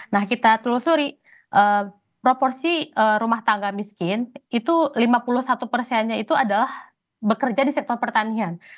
nah kita telusuri proporsi rumah tangga miskin itu lima puluh satu persennya itu adalah bekerja di sektor pertanian